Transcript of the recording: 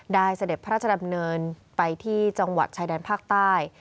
เสด็จพระราชดำเนินไปที่จังหวัดชายแดนภาคใต้